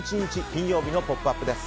金曜日の「ポップＵＰ！」です。